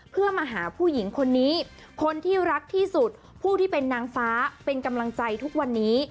เพื่อมาหาผู้หญิงคนนี้คนที่รักที่สุดผู้ที่เป็นนางฟ้าเป็นกำลังใจทุกวันนี้